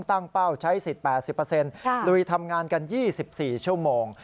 เป้าใช้สิทธิ์๘๐ลุยทำงานกัน๒๔ชั่วโมง